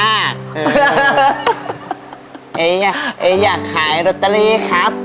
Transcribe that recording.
ไอ้อยากขายรอตเตอรี่ครับ